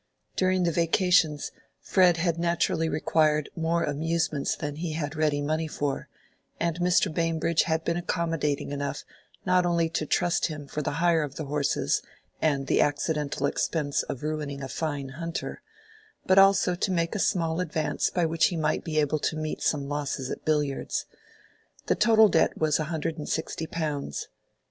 During the vacations Fred had naturally required more amusements than he had ready money for, and Mr. Bambridge had been accommodating enough not only to trust him for the hire of horses and the accidental expense of ruining a fine hunter, but also to make a small advance by which he might be able to meet some losses at billiards. The total debt was a hundred and sixty pounds.